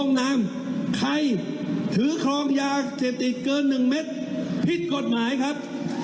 ลงนางไข่ถือคลองยาเศษติฯเกินหนึ่งเมตรผิดกฎหมายครับ